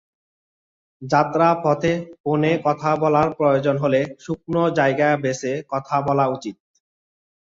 যাত্রাপথে ফোনে কথা বলার প্রয়োজন হলে শুকনো জায়গা বেছে কথা বলা উচিত।